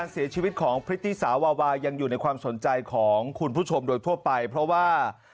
เสียชีวิตของพริตตี้สาววาวายังอยู่ในความสนใจของคุณผู้ชมโดยทั่วไปเพราะว่า